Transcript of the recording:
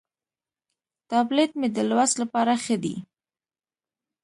ټابلیټ مې د لوست لپاره ښه دی.